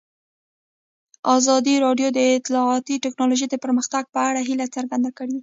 ازادي راډیو د اطلاعاتی تکنالوژي د پرمختګ په اړه هیله څرګنده کړې.